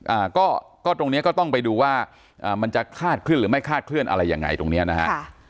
อ่าก็ก็ตรงเนี้ยก็ต้องไปดูว่าอ่ามันจะคาดเคลื่อนหรือไม่คาดเคลื่อนอะไรยังไงตรงเนี้ยนะฮะค่ะ